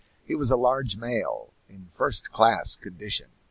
He was a large male, in first class condition.